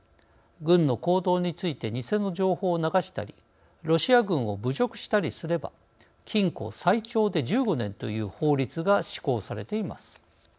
軍の行動について偽の情報を流したりロシア軍を侮辱したりすれば禁錮最長で１５年という法律が施行されています。